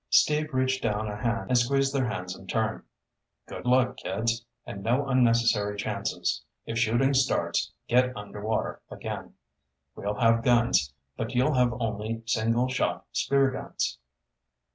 Steve reached down a hand and squeezed their hands in turn. "Good luck, kids. And no unnecessary chances. If shooting starts, get underwater again. We'll have guns, but you'll have only single shot spear guns."